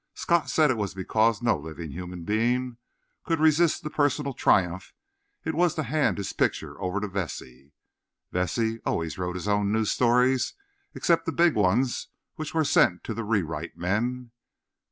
Scott said it was because no living human being could resist the personal triumph it was to hand his picture over to Vesey. Vesey always wrote his own news stories, except the big ones, which were sent to the rewrite men.